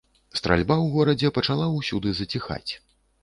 Стральба ў горадзе пачала ўсюды заціхаць.